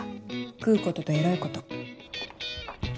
食うこととエロいこと。